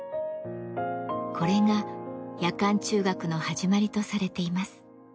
これが夜間中学の始まりとされています。